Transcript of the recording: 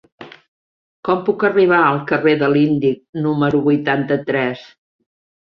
Com puc arribar al carrer de l'Índic número vuitanta-tres?